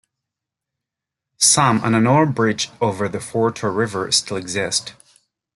Some and an old bridge over the Fortore river still exist.